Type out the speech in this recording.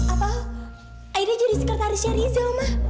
apa aida jadi sekretarisnya riza oma